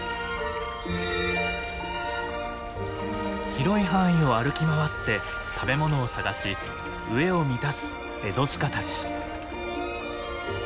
広い範囲を歩き回って食べ物を探し飢えを満たすエゾシカたち。